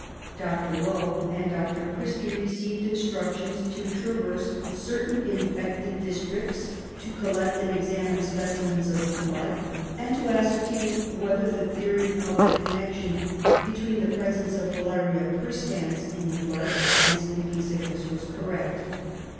Dr. Low and Dr. Christy received instructions to traverse certain infected districts, to collect D 20 RESEARCH DEFENCE SOCIETY and examine specimens of blood, and to ascertain whether the theory of the connection between the presence of Filaria perstans in the blood and sleeping sickness was correct.